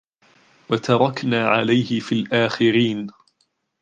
وتركنا عليه في الآخرين